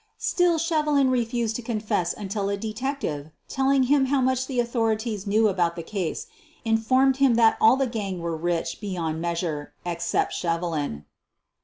Still Shevelin refused to confess until a detective, telling him how much the authorities knew about the case, informed him that all the gang were rich beyond measure except Shevelin.